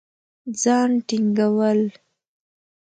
ځان ټينګول